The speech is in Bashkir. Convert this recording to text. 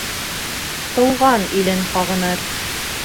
Тыуған илен һағыныр.